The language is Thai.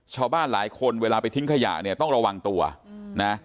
ชาวบ้านหลายคนเวลาไปทิ้งขยะเนี่ยต้องระวังตัวนะ